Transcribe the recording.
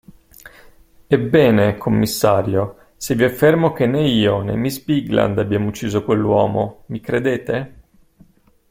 Ebbene, commissario, se vi affermo che né io, né miss Bigland abbiamo ucciso quell'uomo, mi credete?